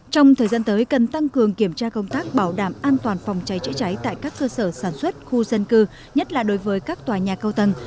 trong thời gian tới cần tăng cường kiểm tra công tác bảo đảm an toàn phòng cháy chữa cháy tại các cơ sở sản xuất khu dân cư nhất là đối với các tòa nhà cao tầng